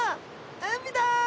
海だ！